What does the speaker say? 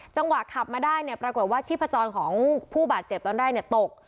จังหวะขับมาได้เนี่ยปรากฏว่าชีพจรของผู้บาดเจ็บตอนแรกตก